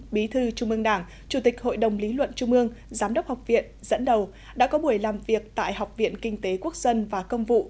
bí thư trung ương đảng chủ tịch hội đồng lý luận trung ương giám đốc học viện dẫn đầu đã có buổi làm việc tại học viện kinh tế quốc dân và công vụ